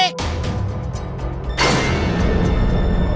percaya sama allah